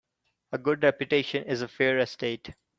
A good reputation is a fair estate.